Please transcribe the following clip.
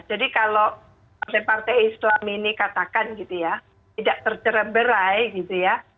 jadi kalau partai partai islam ini katakan gitu ya tidak tercereberai gitu ya